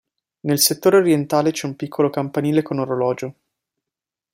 Nel settore orientale c'è un piccolo campanile con orologio.